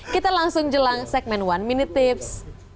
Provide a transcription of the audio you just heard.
kita langsung jelang segmen one minute tips